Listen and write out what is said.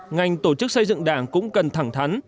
ngành tổ chức xây dựng đảng cũng cần thẳng thắn